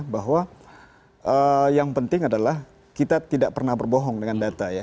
bahwa yang penting adalah kita tidak pernah berbohong dengan data ya